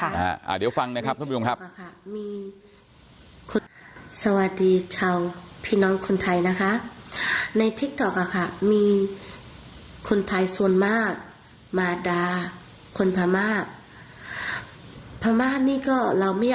เอาเดี๋ยวฟังนะครับท่านพยุงครับ